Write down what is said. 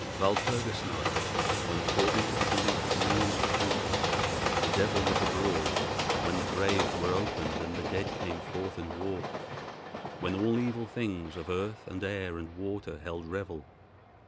Walpurgis Night, when, according to the belief of millions of people, the devil was abroad—when the graves were opened and the dead came forth and walked. When all evil things of earth and air and water held revel.